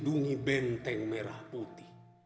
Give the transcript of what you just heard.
jendungi benteng merah putih